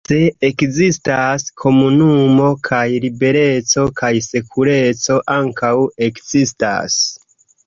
Se ekzistas komunumo, kaj libereco kaj sekureco ankaŭ ekzistas.